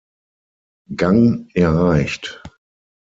Gang erreicht.